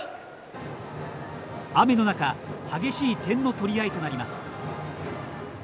雨の中激しい点の取り合いとなります。